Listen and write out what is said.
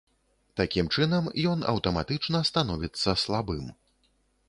Такім чынам, ён аўтаматычна становіцца слабым.